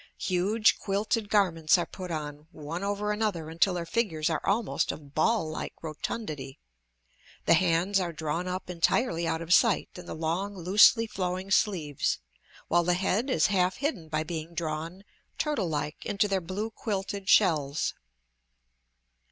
Huge quilted garments are put on one over another until their figures are almost of ball like rotundity; the hands are drawn up entirely out of sight in the long, loosely flowing sleeves, while the head is half hidden by being drawn, turtle like, into their blue quilted shells.